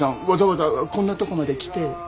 わざわざこんなとこまで来て」。